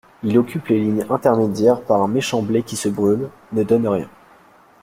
Il occupe les lignes intermédiaires par un méchant blé qui se brûle, ne donne rien.